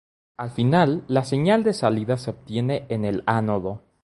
Al final, la señal de salida se obtiene en el ánodo.